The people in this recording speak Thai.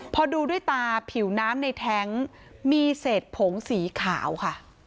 พอดูด้วยตาผิวน้ำในแท้งมีเศษผงสีขาวค่ะ